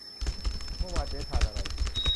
เมื่อวานเจ๊ทานอะไร